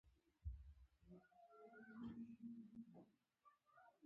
شخړې باید په عدالت حل شي.